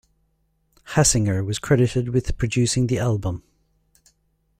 Hassinger was credited with producing the album.